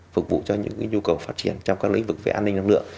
phục vụ cho những nhu cầu phát triển trong các lĩnh vực về an ninh năng lượng